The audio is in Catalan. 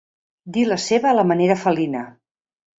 Dir la seva a la manera felina.